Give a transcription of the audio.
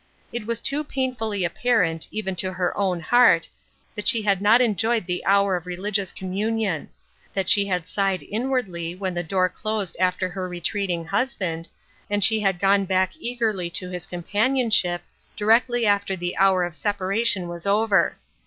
It was too painfully apparent, even to her own heart, that she had not enjoyed the hour oi religious communion ; that she had sighed in wardly when the door closed after her retreating husband, and she had gone back eagerly to his companionship, directly after the hour of sepa ration was over.